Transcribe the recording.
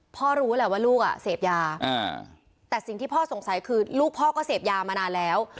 รู้แหละว่าลูกเสพยาแต่สิ่งที่พ่อสงสัยคือลูกพ่อก็เสพยามานานแล้ว